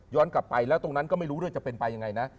กลับไปแล้วตรงนั้นก็ไม่รู้ด้วยจะเป็นไปยังไงนะ